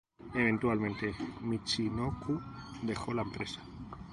Eventualmente Michinoku dejó la empresa.